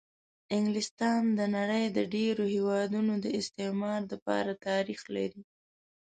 انګلستان د د نړۍ د ډېرو هېوادونو د استعمار دپاره تاریخ لري.